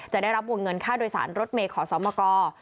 จะได้รับวงเงินค่าโดยสารรถเมฆขอซ้อมกร